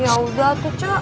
yaudah tuh cu